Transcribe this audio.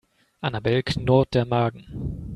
Annabel knurrt der Magen.